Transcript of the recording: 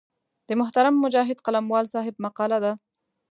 د محترم مجاهد قلموال صاحب مقاله ده.